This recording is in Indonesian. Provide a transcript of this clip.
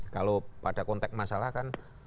kalau pada konteks masalah kan